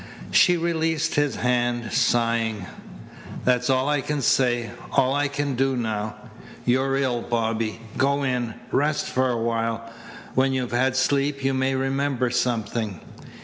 She released his hand, sighing. "That's all I can say, all I can do now. You're ill, Bobby. Go in. Rest for awhile. When you've had sleep you may remember something."